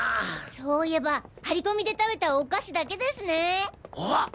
そういえば張り込みで食べたお菓子だけですね。